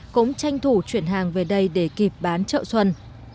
cũng tranh thủ chuyển hàng về đây để kịp bán chợ xuân